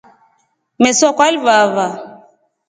Meso yakwa yalivava.